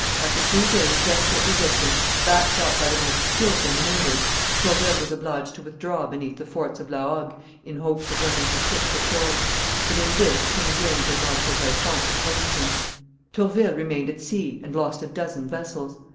After three days' desperate resistance, backed up by the most skilful manoeuvres, Tourville was obliged to withdraw beneath the forts of La Hogue in hopes of running his ships ashore; but in this King James and Marshal Bellefonds opposed him. [Illustration: Battle of St. Vincent 465a] Tourville remained at sea, and lost a dozen vessels.